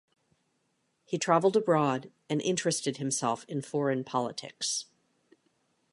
He travelled abroad and interested himself in foreign politics.